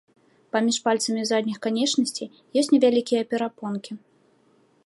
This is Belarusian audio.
Паміж пальцамі задніх канечнасцей ёсць невялікія перапонкі.